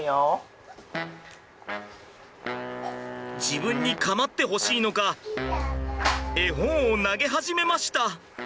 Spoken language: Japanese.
自分にかまってほしいのか絵本を投げ始めました。